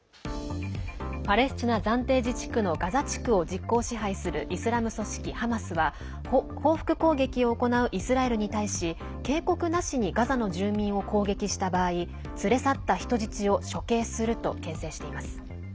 パレスチナ暫定自治区のガザ地区を実効支配するイスラム組織ハマスは報復攻撃を行うイスラエルに対し警告なしにガザの住民を攻撃した場合連れ去った人質を処刑するとけん制しています。